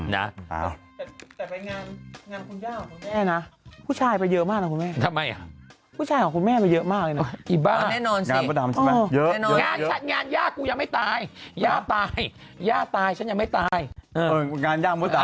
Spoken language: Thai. แต่ไปงานงานของคุณย่าของคุณแม่นะ